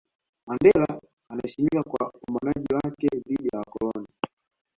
Mandela anaheshimika kwa upambanaji wake dhidi ya wakoloni